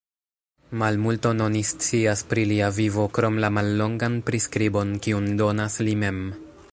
Malmulton oni scias pri lia vivo krom la mallongan priskribon kiun donas li mem.